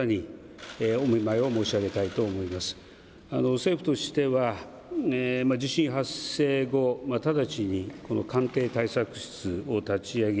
政府としては地震発生後、直ちにこの官邸対策室を立ち上げ